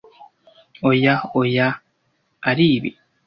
Oya, oya! aribi.